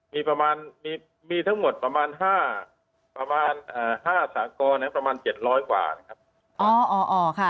มีประมาณมีทั้งหมดประมาณ๕สากรประมาณ๗๐๐กว่านะครับ